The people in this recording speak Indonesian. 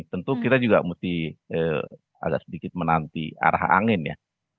tentu kita juga mesti agak sedikit menanti arah angin ya